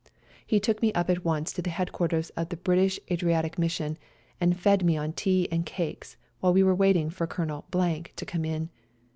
He took me up at once to the headquarters of the British Adriatic Mission, and fed me on tea and cakes, while we were waiting for Colonel to come in.